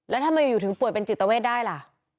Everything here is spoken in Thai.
แล้วทำไมอยู่ถึงป่วยเป็นจิตเวทได้ล่ะ